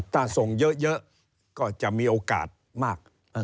ถ้าส่งเยอะก็จะมีโอกาสมาก